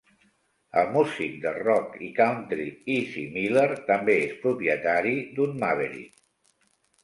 El músic de rock i country Izzy Miller també és propietari d'un Maverick.